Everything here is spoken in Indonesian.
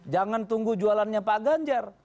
jangan tunggu jualannya pak ganjar